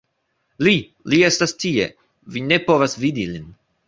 Li, li estas tie, vi ne povas vidi lin.